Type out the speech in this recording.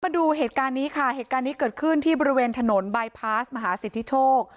มาดูเหตุการณ์นี้ค่ะเหตุการณ์นี้เกิดขึ้นที่บริเวณถนนบายพาสมหาสิทธิโชค